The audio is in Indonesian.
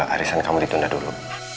arisan kamu ditunda dulu